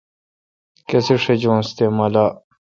کسے شجونس تے مہ لاء۔